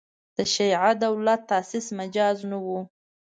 د شیعه دولت تاسیس مجاز نه وو.